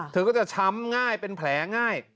เธอก็จะช้ำง่ายเป็นแผลง่าย